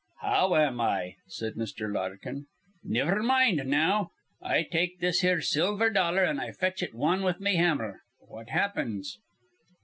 "How am I?" said Mr. Larkin. "Niver mind now: I take this here silver dollar, an' I fetch it wan with me hammer. What happens?"